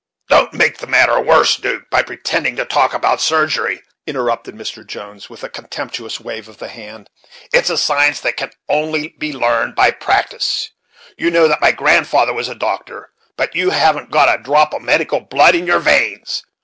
"Don't make the matter worse, 'Duke, by pretending to talk about surgery," interrupted Mr. Jones, with a contemptuous wave of the hand: "it is a science that can only be learned by practice. You know that my grandfather was a doctor, but you haven't got a drop of medical blood in your veins.